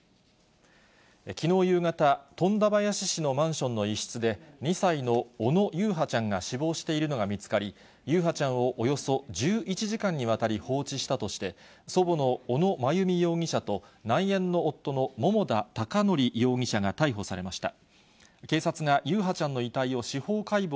きのう夕方、富田林市のマンションの一室で２歳の小野優陽ちゃんが死亡しているのが見つかり、優陽ちゃんをおよそ１１時間にわたり、放置したとして、祖母の小野真由美容疑者と内縁の夫の桃田貴徳容疑者が逮捕されました。